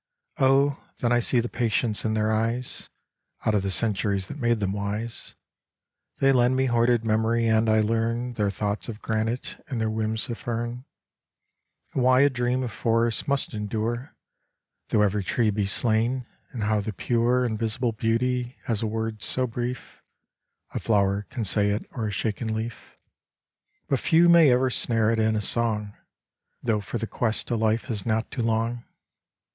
Oh, then I see the patience in their eyes Out of the centuries that made them wise. They lend me hoarded memory and I learn Their thoughts of granite and their whims of fern, And why a dream of forests must endure Though every tree be slain: and how the pure Invisible beauty has a word so brief, A flower can say it or a shaken leaf, But few may ever snare it in a song, Though for the quest a life is not too long.